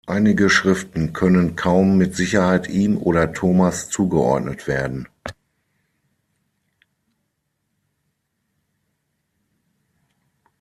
Einige Schriften können kaum mit Sicherheit ihm oder Thomas zugeordnet werden.